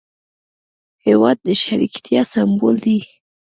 هېواد د شریکتیا سمبول دی.